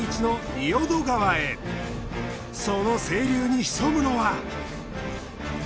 その清流に潜むのは。